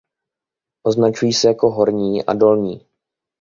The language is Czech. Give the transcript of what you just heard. Označují se jako Horní a Dolní.